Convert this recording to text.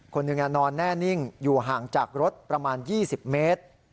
คนหนึ่งนอนแน่นิ่งอยู่ห่างจากรถประมาณ๒๐เมตร